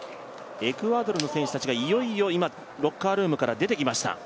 エクアドルの選手たちがいよいよ今、ロッカールームから出てきました。